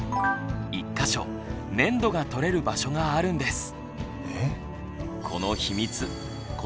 １か所粘土が採れる場所があるんです。